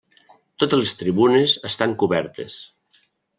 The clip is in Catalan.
Totes les tribunes estan cobertes.